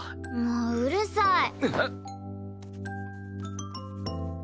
もううるさい！